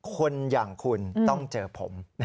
คนอย่างคุณต้องเจอผม